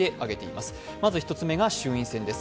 まず１つ目が衆院選です。